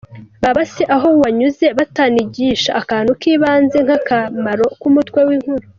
Baba se aho wanyuze batanigisha akantu k’ibanze nk’akamaro k’umutwe w’inkuru.